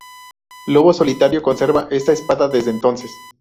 Lobo Solitario conserva esta espada desde entonces.